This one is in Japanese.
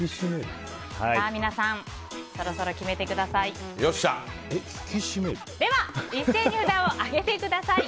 皆さんそろそろ決めてください。